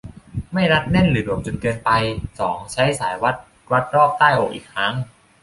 ไม่รัดแน่นหรือหลวมจนเกินไป สอง ใช้สายวัดวัดรอบใต้อกอีกครั้ง